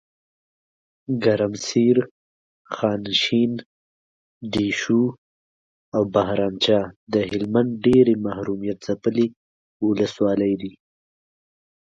ګرمسیر، خانشین، دیشو اوبهرامچه دهلمند ډیري محرومیت ځپلي ولسوالۍ دي .